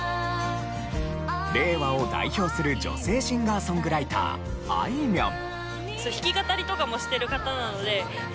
令和を代表する女性シンガーソングライターあいみょん。